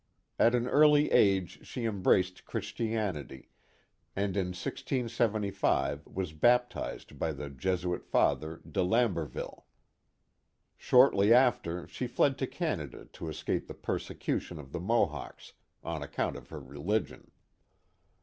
At an early age she embraced Christianity, and in 1675 was baptized by the Jesuit Father de Lamberville. Shortly after, she fled to Canada to escape the persecution of the Mohawks, on account of her religion.